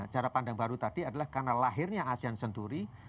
cara pandang baru tadi adalah karena lahirnya asean senturi